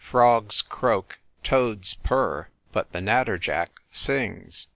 Frogs croak, toads purr, but the natterjack sings.